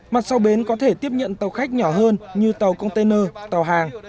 mặt sau bến có thể tiếp nhận tàu khách nhỏ hơn như tàu container tàu hàng